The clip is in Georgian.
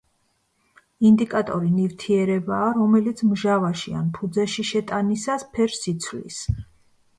ინდიკატორი ნივთიერებაა, რომელიც მჟავაში ან ფუძეში შეტანისას ფერს იცვლის.